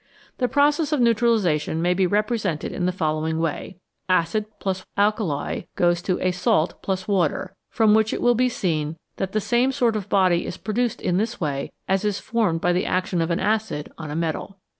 The process of neutralisation may be represented in the following way : acid f alkali >a salt + w r ater ; from which it will be seen that the same sort of body is produced in this way as is formed by the action of an acid on a metal.